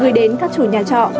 gửi đến các chủ nhà trọ